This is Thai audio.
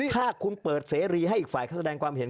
ถ้าคุณเปิดเสรีให้อีกฝ่ายเขาแสดงความเห็น